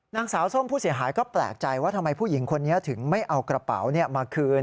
นางสาวส้มผู้เสียหายก็แปลกใจว่าทำไมผู้หญิงคนนี้ถึงไม่เอากระเป๋ามาคืน